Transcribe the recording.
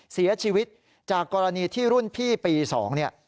เสียชีวิตจากกรณีที่รุ่นพี่ปี๒เนี่ย